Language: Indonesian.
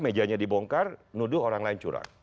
mejanya dibongkar nuduh orang lain curang